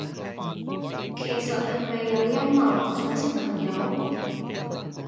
其實係咪有陰謀，想識朋友？